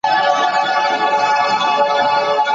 د بدو منع کول د ايمان يوه نښه ده.